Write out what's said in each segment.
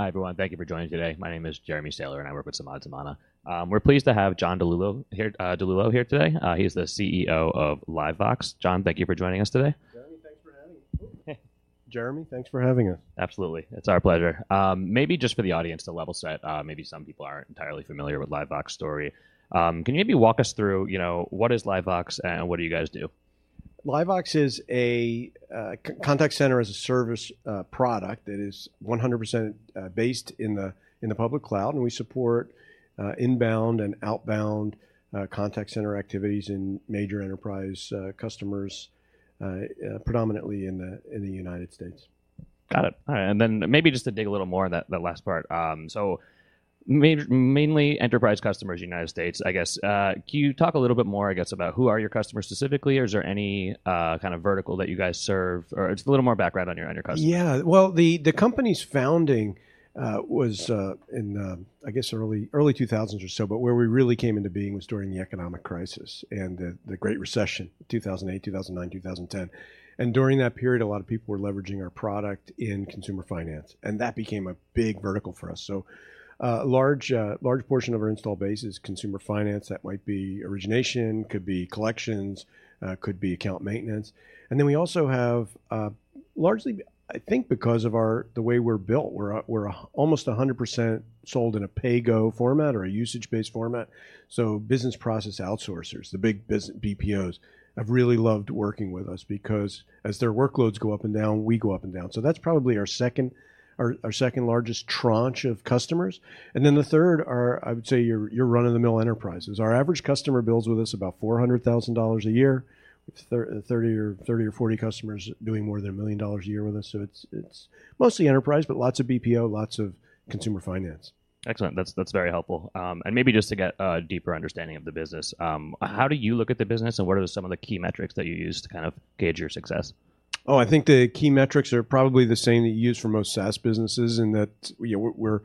Hi, everyone. Thank you for joining today. My name is Jeremy Sezler, and I work with Samad Samana. We're pleased to have John DiLullo here, DiLullo here today. He is the CEO of LiveVox. John, thank you for joining us today. Jeremy, thanks for having us. Absolutely. It's our pleasure. Maybe just for the audience to level set, maybe some people aren't entirely familiar with LiveVox story. Can you maybe walk us through, you know, what is LiveVox and what do you guys do? LiveVox is a contact center as a service product that is 100% based in the public cloud, and we support inbound and outbound contact center activities in major enterprise customers predominantly in the United States. Got it. All right, maybe just to dig a little more on that last part. Mainly enterprise customers, United States, I guess. Can you talk a little bit more, I guess, about who are your customers specifically, or is there any kind of vertical that you guys serve, or just a little more background on your customers? The company's founding was in early 2000s or so. Where we really came into being was during the economic crisis and the Great Recession, 2008, 2009, 2010. During that period, a lot of people were leveraging our product in consumer finance, and that became a big vertical for us. A large portion of our install base is consumer finance. That might be origination, could be collections, could be account maintenance. We also have largely because of our the way we're built, we're a almost 100% sold in a pay-as-you-go format or a usage-based format. Business process outsourcers, the big BPOs, have really loved working with us because as their workloads go up and down, we go up and down. That's probably our second largest tranche of customers, the third are, I would say, your run-of-the-mill enterprises. Our average customer bills with us about $400,000 a year, with 30 or 40 customers doing more than $1 million a year with us. It's mostly enterprise, but lots of BPO, lots of consumer finance. Excellent. That's very helpful. Maybe just to get a deeper understanding of the business, how do you look at the business, and what are some of the key metrics that you use to kind of gauge your success? I think the key metrics are probably the same that you use for most SaaS businesses, in that, you know, we're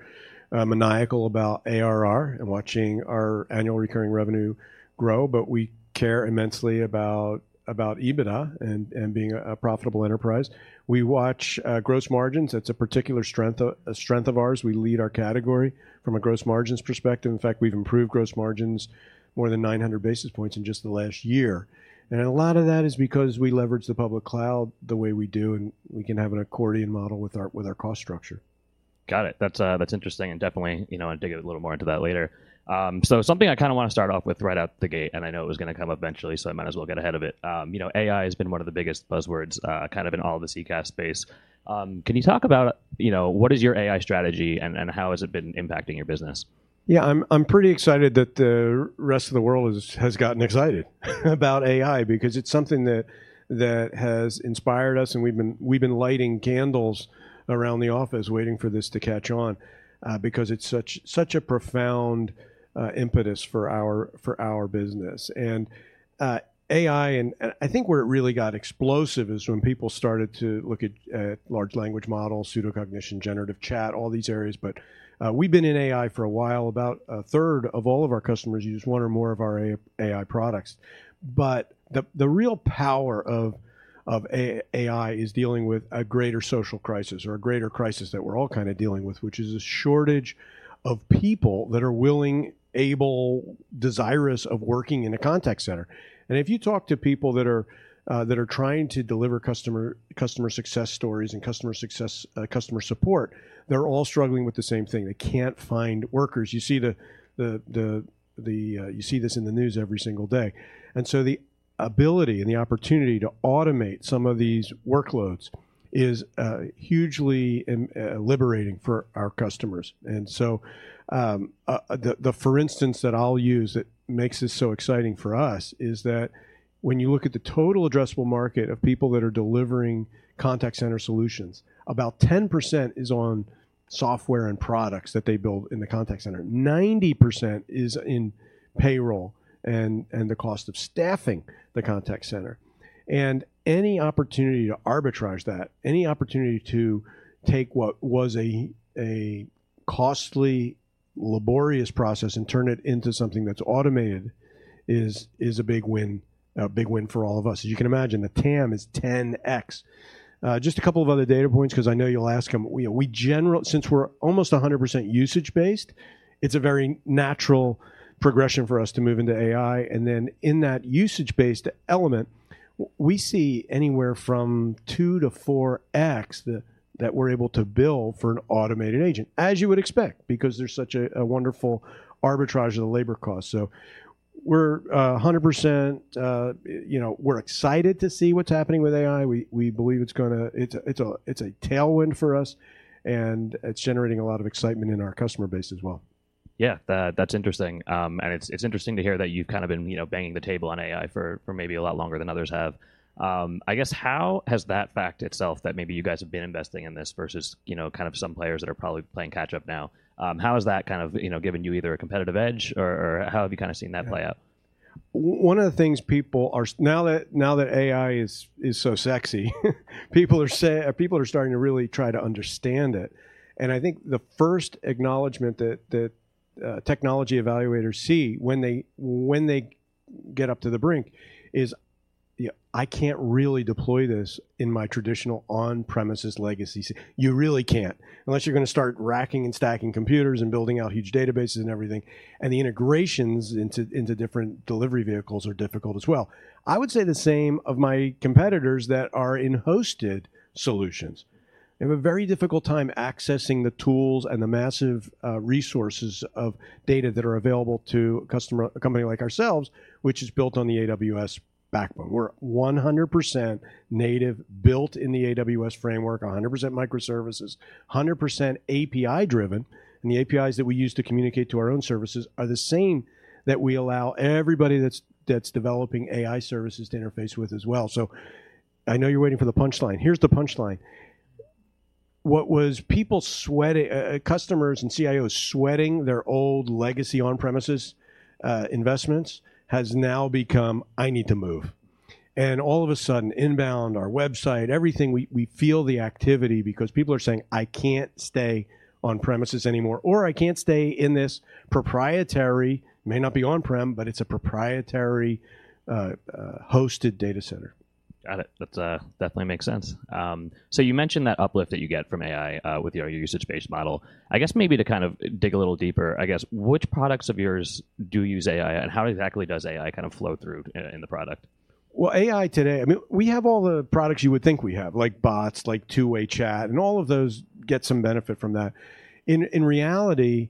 maniacal about ARR and watching our annual recurring revenue grow, but we care immensely about EBITDA and being a profitable enterprise. We watch gross margins. That's a particular strength of ours. We lead our category from a gross margins perspective. In fact, we've improved gross margins more than 900 basis points in just the last year. A lot of that is because we leverage the public cloud the way we do, and we can have an accordion model with our cost structure. Got it. That's, that's interesting and definitely, you know, I'll dig a little more into that later. Something I kind of want to start off with right out the gate, and I know it was gonna come eventually, so I might as well get ahead of it. You know, AI has been one of the biggest buzzwords, kind of in all of the CCaaS space. Can you talk about, you know, what is your AI strategy and how has it been impacting your business? Yeah, I'm pretty excited that the rest of the world is, has gotten excited about AI because it's something that has inspired us, and we've been lighting candles around the office waiting for this to catch on because it's such a profound impetus for our business. AI, and I think where it really got explosive is when people started to look at large language models, pseudo cognition, generative chat, all these areas. We've been in AI for a while. About a third of all of our customers use one or more of our AI products. The real power of AI is dealing with a greater social crisis or a greater crisis that we're all kind of dealing with, which is a shortage of people that are willing, able, desirous of working in a contact center. If you talk to people that are trying to deliver customer success stories and customer success, customer support, they're all struggling with the same thing. They can't find workers. You see this in the news every single day. The ability and the opportunity to automate some of these workloads is hugely liberating for our customers. The for instance that I'll use that makes this so exciting for us is that when you look at the total addressable market of people that are delivering contact center solutions, about 10% is on software and products that they build in the contact center. 90% is in payroll and the cost of staffing the contact center. Any opportunity to arbitrage that, any opportunity to take what was a costly, laborious process and turn it into something that's automated, is a big win for all of us. As you can imagine, the TAM is 10x. Just a couple of other data points, 'cause I know you'll ask them. You know, we since we're almost 100% usage-based, it's a very natural progression for us to move into AI, and then in that usage-based element, we see anywhere from 2-4x that we're able to bill for an automated agent, as you would expect, because there's such a wonderful arbitrage of the labor cost. We're 100%, you know, we're excited to see what's happening with AI. We, we believe it's a tailwind for us, and it's generating a lot of excitement in our customer base as well. Yeah, that's interesting. It's, it's interesting to hear that you've kind of been, you know, banging the table on AI for maybe a lot longer than others have. I guess, how has that fact itself, that maybe you guys have been investing in this versus, you know, kind of some players that are probably playing catch up now, how has that kind of, you know, given you either a competitive edge, or how have you kind of seen that play out? One of the things people are now that AI is so sexy, people are starting to really try to understand it. I think the first acknowledgment that technology evaluators see when they get up to the brink, is, you, I can't really deploy this in my traditional on-premises legacy. You really can't, unless you're gonna start racking and stacking computers and building out huge databases and everything, and the integrations into different delivery vehicles are difficult as well. I would say the same of my competitors that are in hosted solutions. They have a very difficult time accessing the tools and the massive resources of data that are available to a company like ourselves, which is built on the AWS backbone. We're 100% native, built in the AWS framework, 100% microservices, 100% API-driven, and the APIs that we use to communicate to our own services are the same that we allow everybody that's developing AI services to interface with as well. I know you're waiting for the punchline. Here's the punchline: What was people sweating customers and CIOs sweating their old legacy on-premises investments, has now become, "I need to move." All of a sudden, inbound, our website, everything, we feel the activity because people are saying, "I can't stay on-premises anymore," or, "I can't stay in this proprietary," may not be on-prem, but it's a proprietary hosted data center. Got it. That definitely makes sense. You mentioned that uplift that you get from AI with your usage-based model. I guess maybe to kind of dig a little deeper, I guess, which products of yours do use AI, and how exactly does AI kind of flow through in the product? Well, AI today. I mean, we have all the products you would think we have, like bots, like two-way chat, and all of those get some benefit from that. In reality,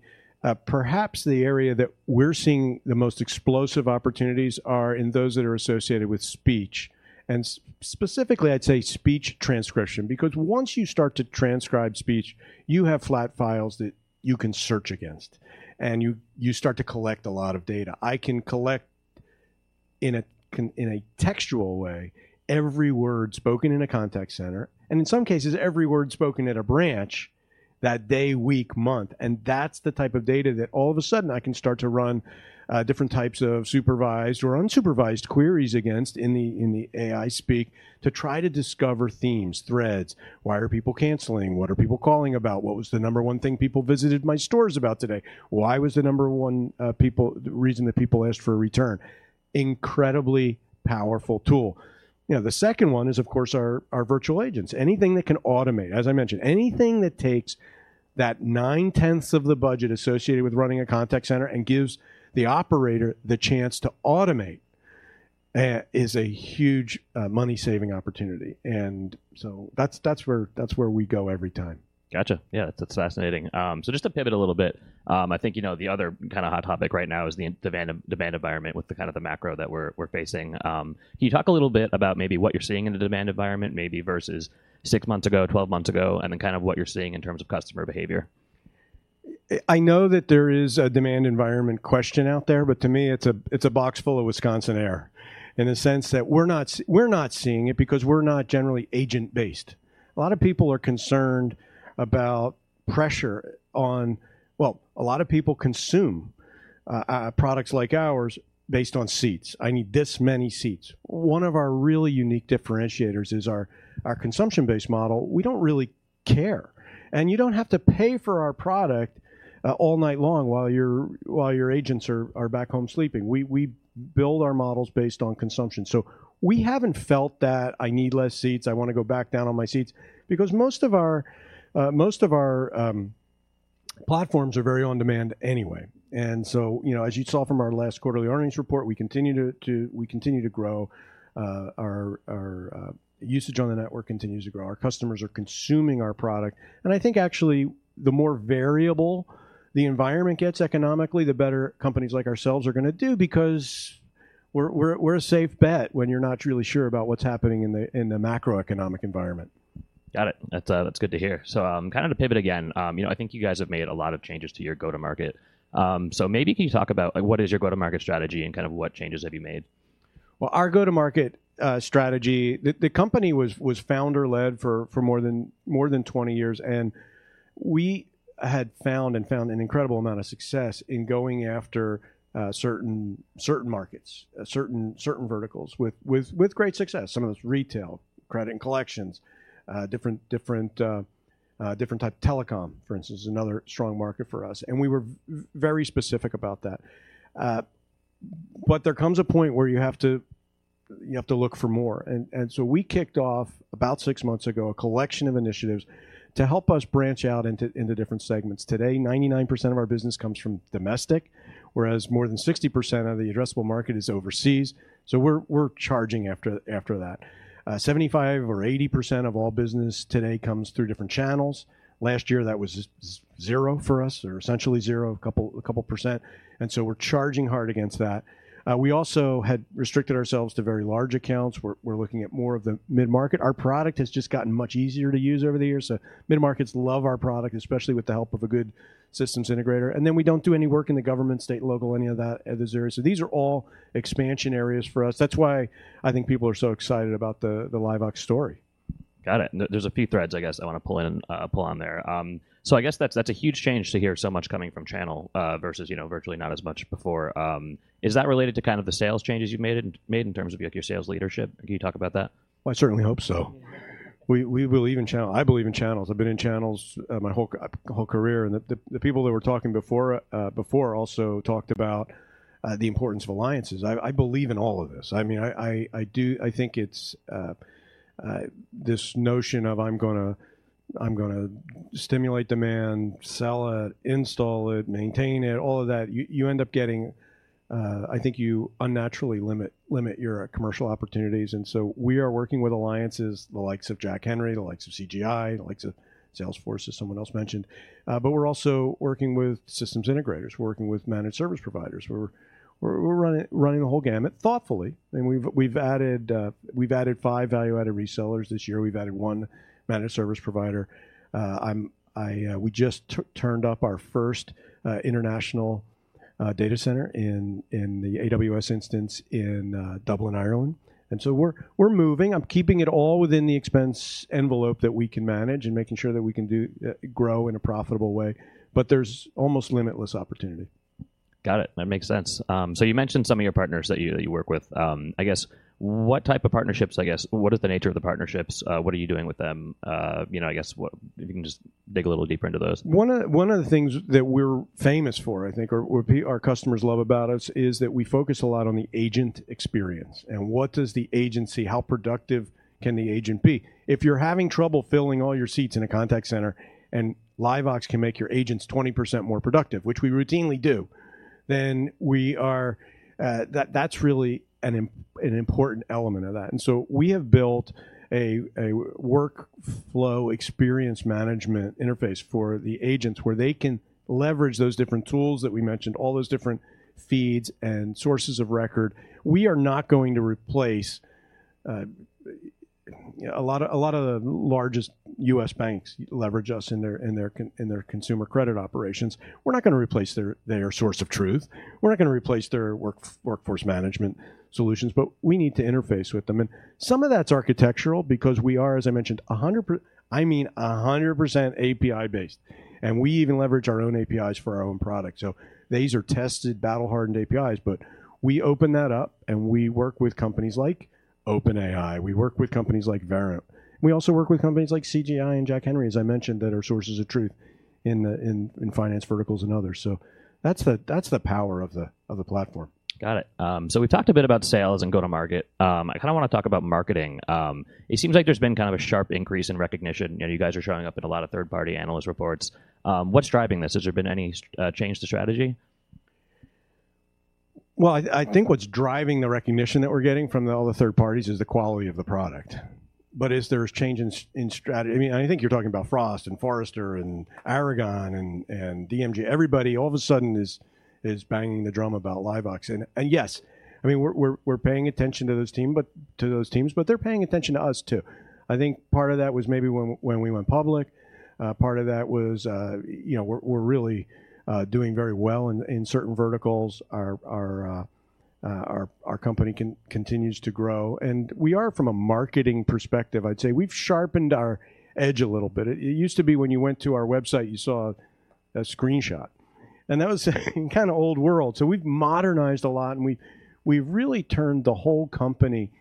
perhaps the area that we're seeing the most explosive opportunities are in those that are associated with speech, and specifically, I'd say speech transcription. Because once you start to transcribe speech, you have flat files that you can search against, and you start to collect a lot of data. I can collect in a textual way, every word spoken in a contact center, and in some cases, every word spoken at a branch that day, week, month. That's the type of data that all of a sudden I can start to run different types of supervised or unsupervised queries against in the AI speak, to try to discover themes, threads. Why are people canceling? What are people calling about? What was the number one thing people visited my stores about today? Why was the number one reason that people asked for a return? Incredibly powerful tool. You know, the second one is, of course, our Virtual Agents. Anything that can automate, as I mentioned, anything that takes that 9/10 of the budget associated with running a contact center and gives the operator the chance to automate is a huge money-saving opportunity. That's where we go every time. Gotcha. Yeah, that's fascinating. Just to pivot a little bit, I think, you know, the other kind of hot topic right now is the demand environment with the kind of the macro that we're facing. Can you talk a little bit about maybe what you're seeing in the demand environment, maybe versus six months ago, 12 months ago, and then kind of what you're seeing in terms of customer behavior? I know that there is a demand environment question out there. To me, it's a box full of Wisconsin air, in the sense that we're not seeing it because we're not generally agent-based. A lot of people are concerned about pressure on... Well, a lot of people consume products like ours based on seats. "I need this many seats." One of our really unique differentiators is our consumption-based model. We don't really care, and you don't have to pay for our product all night long while your agents are back home sleeping. We build our models based on consumption. We haven't felt that I need less seats, I wanna go back down on my seats, because most of our platforms are very on-demand anyway. You know, as you saw from our last quarterly earnings report, we continue to grow, our usage on the network continues to grow. Our customers are consuming our product, and I think actually, the more variable the environment gets economically, the better companies like ourselves are gonna do, because we're a safe bet when you're not really sure about what's happening in the macroeconomic environment. Got it. That's, that's good to hear. Kind of to pivot again, you know, I think you guys have made a lot of changes to your go-to-market. Maybe can you talk about, like, what is your go-to-market strategy, and kind of what changes have you made? Well, our go-to-market strategy, the company was founder-led for more than 20 years. We had found an incredible amount of success in going after certain markets, certain verticals with great success. Some of it's retail, credit and collections, different type of telecom, for instance, is another strong market for us. We were very specific about that. There comes a point where you have to look for more. We kicked off, about 6 months ago, a collection of initiatives to help us branch out into different segments. Today, 99% of our business comes from domestic, whereas more than 60% of the addressable market is overseas. We're charging after that. 75% or 80% of all business today comes through different channels. Last year, that was zero for us, or essentially zero, a couple percent, we're charging hard against that. We also had restricted ourselves to very large accounts. We're looking at more of the mid-market. Our product has just gotten much easier to use over the years, mid-markets love our product, especially with the help of a good systems integrator. We don't do any work in the government, state, local, any of that, those areas. These are all expansion areas for us. That's why I think people are so excited about the LiveVox story. Got it. there's a few threads I guess I want to pull on there. I guess that's a huge change to hear so much coming from channel versus, you know, virtually not as much before. Is that related to kind of the sales changes you've made in terms of, like, your sales leadership? Can you talk about that? Well, I certainly hope so. We believe in channel. I believe in channels. I've been in channels, my whole career, and the people that were talking before also talked about the importance of alliances. I believe in all of this. I mean, I do. I think it's this notion of I'm gonna stimulate demand, sell it, install it, maintain it, all of that, you end up getting... I think you unnaturally limit your commercial opportunities. We are working with alliances, the likes of Jack Henry, the likes of CGI, the likes of Salesforce, as someone else mentioned. But we're also working with systems integrators. We're working with managed service providers. We're running the whole gamut thoughtfully, and we've added 5 value-added resellers this year. We've added 1 managed service provider. We just turned up our first international data center in the AWS instance in Dublin, Ireland. We're moving. I'm keeping it all within the expense envelope that we can manage and making sure that we can grow in a profitable way, but there's almost limitless opportunity. Got it. That makes sense. You mentioned some of your partners that you work with. I guess, what type of partnerships, I guess, what is the nature of the partnerships? What are you doing with them? You know, I guess what if you can just dig a little deeper into those? One of the things that we're famous for, I think, or our customers love about us, is that we focus a lot on the agent experience and what does the agent see, how productive can the agent be? If you're having trouble filling all your seats in a contact center, and LiveVox can make your agents 20% more productive, which we routinely do, then we are. That's really an important element of that. We have built a workflow experience management interface for the agents, where they can leverage those different tools that we mentioned, all those different feeds and sources of record. We are not going to replace. A lot of the largest U.S. banks leverage us in their consumer credit operations. We're not gonna replace their source of truth. We're not gonna replace their workforce management solutions. We need to interface with them. Some of that's architectural because we are, as I mentioned, I mean, 100% API-based, and we even leverage our own APIs for our own product, so these are tested, battle-hardened APIs. We open that up, and we work with companies like OpenAI. We work with companies like Verint. We also work with companies like CGI and Jack Henry, as I mentioned, that are sources of truth in finance verticals and others. That's the power of the platform. Got it. We've talked a bit about sales and go-to-market. I kinda wanna talk about marketing. It seems like there's been kind of a sharp increase in recognition, and you guys are showing up in a lot of third-party analyst reports. What's driving this? Has there been any change to strategy? Well, I think what's driving the recognition that we're getting from all the third parties is the quality of the product. Is there a change in strategy? I mean, I think you're talking about Frost and Forrester and Aragon and DMG. Everybody, all of a sudden, is banging the drum about LiveVox. Yes, I mean, we're paying attention to those teams, but they're paying attention to us, too. I think part of that was maybe when we went public. Part of that was, you know, we're really doing very well in certain verticals. Our company continues to grow, and we are from a marketing perspective, I'd say we've sharpened our edge a little bit. It used to be when you went to our website, you saw a screenshot, and that was kind of old world. We've modernized a lot, and we've really turned the whole company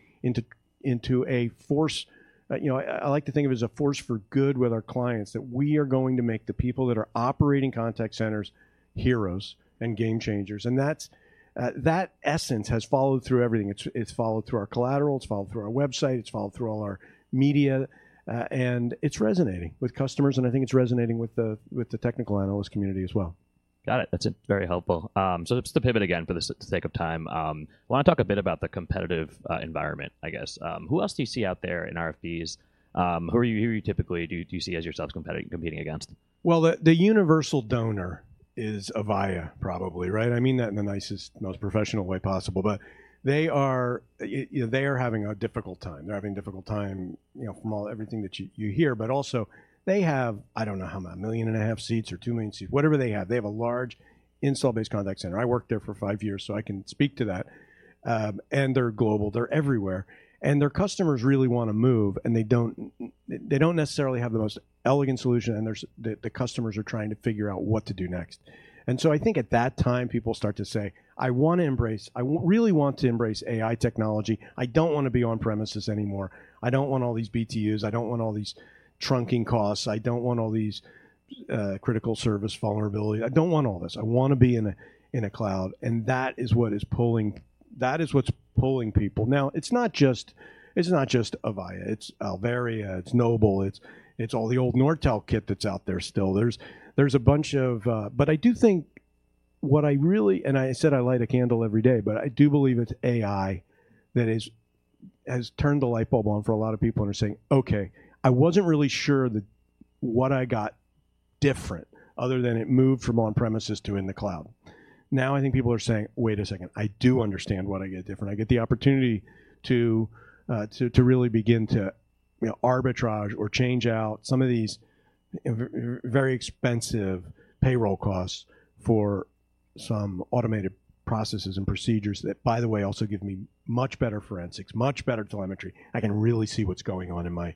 into a force. You know, I like to think of it as a force for good with our clients, that we are going to make the people that are operating contact centers, heroes and game changers. That's that essence has followed through everything. It's followed through our collateral, it's followed through our website, it's followed through all our media, and it's resonating with customers, and I think it's resonating with the technical analyst community as well. Got it. That's very helpful. Just to pivot again, for the sake of time, I wanna talk a bit about the competitive environment, I guess. Who else do you see out there in RFPs? Who are you, who you typically see as yourselves competing against? Well, the universal donor is Avaya, probably, right? I mean that in the nicest, most professional way possible, but they are, you know, they are having a difficult time. They're having a difficult time, you know, from all, everything that you hear, but also they have, I don't know, how much? 1.5 million seats or 2 million seats. Whatever they have, they have a large install-based contact center. I worked there for 5 years, I can speak to that. They're global, they're everywhere, and their customers really wanna move, and they don't necessarily have the most elegant solution, and there's... The customers are trying to figure out what to do next. I think at that time, people start to say, "I really want to embrace AI technology. I don't want to be on premises anymore. I don't want all these BTUs, I don't want all these trunking costs. I don't want all these critical service vulnerability. I don't want all this. I want to be in a cloud. That is what is pulling, that is what's pulling people. Now, it's not just, it's not just Avaya, it's Alvaria, it's Noble, it's all the old Nortel kit that's out there still. There's a bunch of... I do think what I really, and I said I light a candle every day, but I do believe it's AI that is, has turned the light bulb on for a lot of people and are saying, "Okay, I wasn't really sure that what I got different other than it moved from on premises to in the cloud." Now, I think people are saying, "Wait a second, I do understand what I get different. I get the opportunity to really begin to, you know, arbitrage or change out some of these very expensive payroll costs for some automated processes and procedures that, by the way, also give me much better forensics, much better telemetry. I can really see what's going on in my,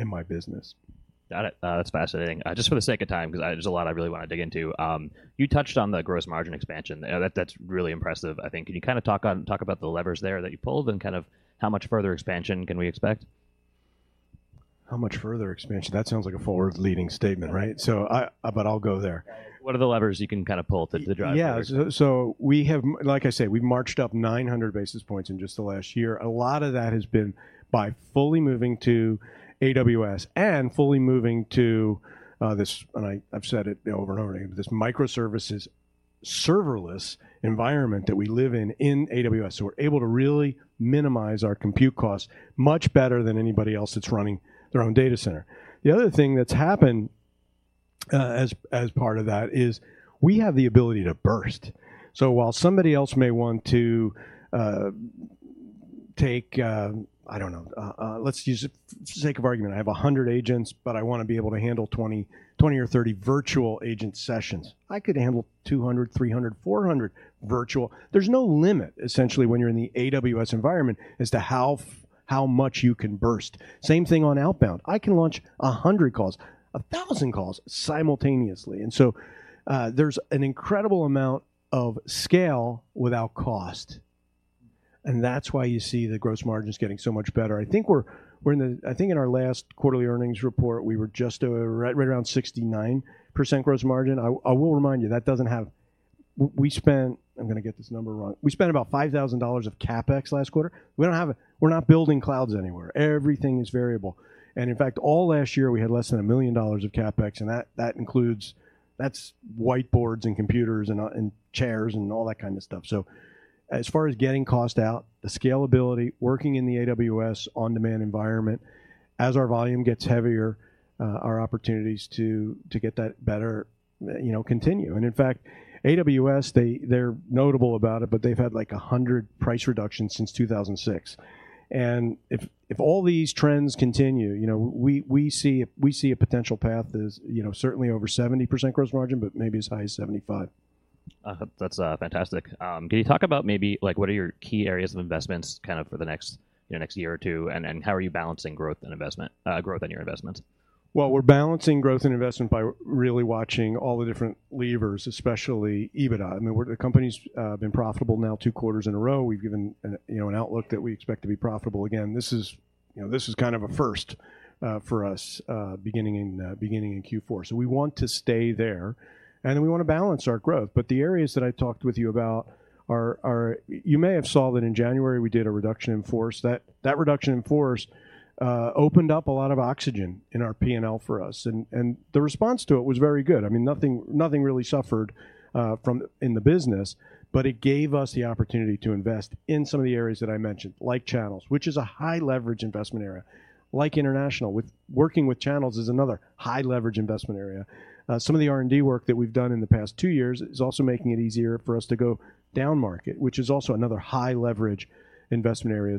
in my business. Got it. That's fascinating. Just for the sake of time, 'cause I, there's a lot I really wanna dig into. You touched on the gross margin expansion. That's really impressive, I think. Can you kinda talk about the levers there that you pulled, and kind of how much further expansion can we expect? How much further expansion? That sounds like a forward-leading statement, right? I'll go there. What are the levers you can kinda pull to drive? We have, like I said, we've marched up 900 basis points in just the last year. A lot of that has been by fully moving to AWS and fully moving to this, and I've said it over and over again, but this microservices serverless environment that we live in AWS. We're able to really minimize our compute costs much better than anybody else that's running their own data center. The other thing that's happened as part of that is we have the ability to burst. While somebody else may want to take I don't know, let's use it for sake of argument, I have 100 agents, but I wanna be able to handle 20 or 30 virtual agent sessions. I could handle 200, 300, 400 virtual. There's no limit, essentially, when you're in the AWS environment, as to how much you can burst. Same thing on outbound. I can launch 100 calls, 1,000 calls simultaneously, there's an incredible amount of scale without cost, and that's why you see the gross margins getting so much better. I think we're in our last quarterly earnings report, we were just right around 69% gross margin. I will remind you, we spent... I'm gonna get this number wrong. We spent about $5,000 of CapEx last quarter. We're not building clouds anywhere. Everything is variable. In fact, all last year, we had less than $1 million of CapEx, and that's whiteboards and computers, and chairs, and all that kind of stuff. As far as getting cost out, the scalability, working in the AWS on-demand environment, as our volume gets heavier, our opportunities to get that better, you know, continue. In fact, AWS, they're notable about it, but they've had, like, 100 price reductions since 2006. If all these trends continue, you know, we see a potential path that is, you know, certainly over 70% gross margin, but maybe as high as 75%. That's fantastic. Can you talk about maybe, like, what are your key areas of investments kind of for the next, you know, next year or two, and how are you balancing growth and growth on your investments? Well, we're balancing growth and investment by really watching all the different levers, especially EBITDA. I mean, the company's been profitable now 2 quarters in a row. We've given a, you know, an outlook that we expect to be profitable. Again, this is, you know, this is kind of a first for us beginning in Q4. We want to stay there, and then we wanna balance our growth. The areas that I talked with you about are. You may have saw that in January we did a reduction in force. That reduction in force opened up a lot of oxygen in our P&L for us, and the response to it was very good. I mean, nothing really suffered from. in the business. It gave us the opportunity to invest in some of the areas that I mentioned, like channels, which is a high leverage investment area, like international. Working with channels is another high leverage investment area. Some of the R&D work that we've done in the past 2 years is also making it easier for us to go down market, which is also another high leverage investment area.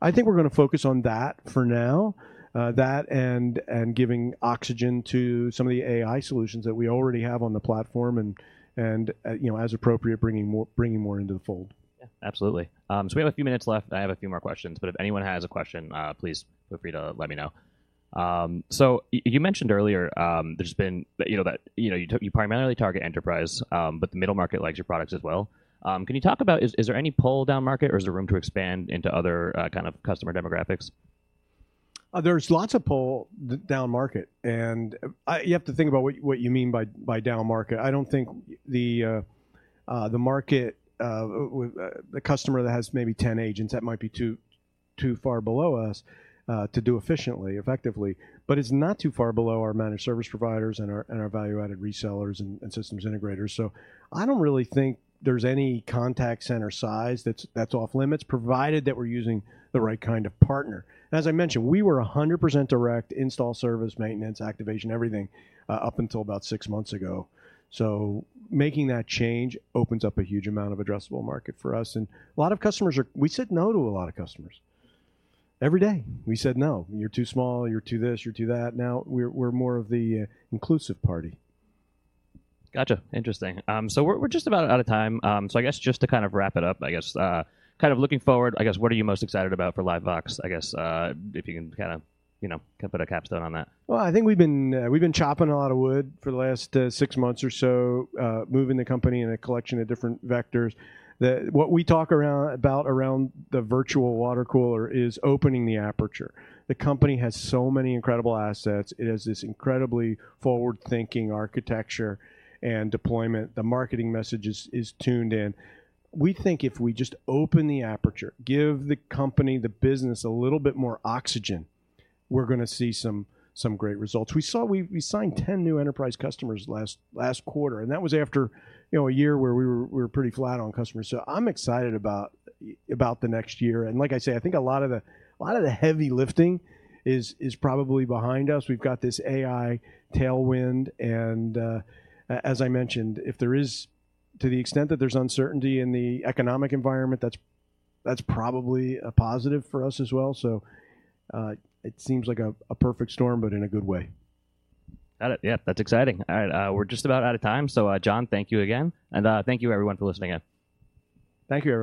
I think we're gonna focus on that for now. That and giving oxygen to some of the AI solutions that we already have on the platform and, you know, as appropriate, bringing more into the fold. Yeah, absolutely. We have a few minutes left. I have a few more questions, but if anyone has a question, please feel free to let me know. You mentioned earlier, there's been, you know, that, you know, you primarily target enterprise, but the middle market likes your products as well. Can you talk about, is there any pull down market, or is there room to expand into other, kind of customer demographics? There's lots of pull down market, and you have to think about what you mean by down market. I don't think the market, the customer that has maybe 10 agents, that might be too far below us to do efficiently, effectively, but it's not too far below our managed service providers and our value-added resellers and systems integrators. I don't really think there's any contact center size that's off-limits, provided that we're using the right kind of partner. As I mentioned, we were 100% direct install, service, maintenance, activation, everything, up until about 6 months ago. Making that change opens up a huge amount of addressable market for us, and a lot of customers. We said no to a lot of customers. Every day, we said, "No, you're too small, you're too this, you're too that." Now, we're more of the inclusive party. Gotcha. Interesting. We're just about out of time. I guess just to kind of wrap it up, I guess, kind of looking forward, I guess, what are you most excited about for LiveVox? I guess, if you can kinda, you know, kinda put a capstone on that. Well, I think we've been, we've been chopping a lot of wood for the last, six months or so, moving the company in a collection of different vectors. What we talk around, about around the virtual water cooler is opening the aperture. The company has so many incredible assets. It has this incredibly forward-thinking architecture and deployment. The marketing message is tuned in. We think if we just open the aperture, give the company, the business, a little bit more oxygen, we're gonna see some great results. We signed 10 new enterprise customers last quarter. That was after, you know, a year where we were pretty flat on customers. I'm excited about the next year, and like I say, I think a lot of the heavy lifting is probably behind us. We've got this AI tailwind, as I mentioned, if there is, to the extent that there's uncertainty in the economic environment, that's probably a positive for us as well. It seems like a perfect storm, but in a good way. Got it. Yeah, that's exciting. All right, we're just about out of time. John, thank you again, and, thank you everyone for listening in. Thank you, everyone.